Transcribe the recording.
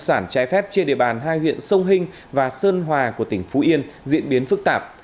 sản trái phép trên địa bàn hai huyện sông hinh và sơn hòa của tỉnh phú yên diễn biến phức tạp